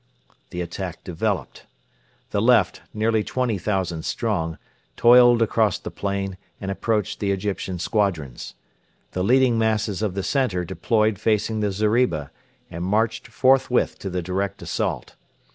The attack developed. The left, nearly 20,000 strong, toiled across the plain and approached the Egyptian squadrons. The leading masses of the centre deployed facing the zeriba and marched forthwith to the direct assault.